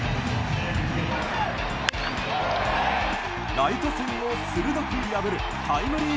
ライト線を鋭く破るタイムリー